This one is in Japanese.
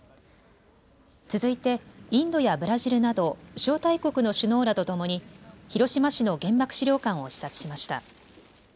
続いて、インドやブラジルなど、招待国の首脳らと共に広島市の原爆資料館を視察しました。